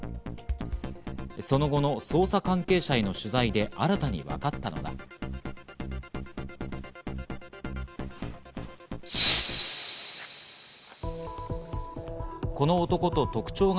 その後の捜査関係者への取材で新たに分かったのが。